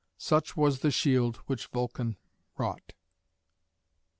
Such was the shield which Vulcan wrought.